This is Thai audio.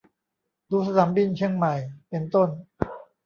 ดูสนามบินเชียงใหม่เป็นต้น